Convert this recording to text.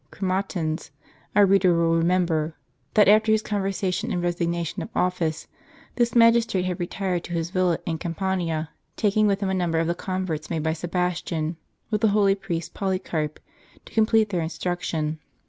Chromatins. Our reader will strb remember, that after his conversion and resignation of office, this magistrate had retired to his villa in Campania, taking with him a number of the converts made by Sebastian, with the holy priest Polycarp, to complete their instruction.